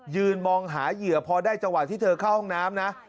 ยืนมองหาเหยื่อพอได้จังหวะที่เธอเข้าห้องน้ำนะ